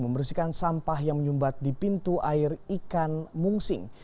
membersihkan sampah yang menyumbat di pintu air ikan mungsing